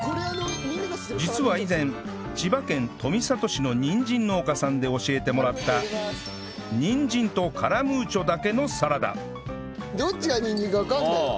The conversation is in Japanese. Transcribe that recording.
実は以前千葉県富里市のにんじん農家さんで教えてもらったにんじんとカラムーチョだけのサラダ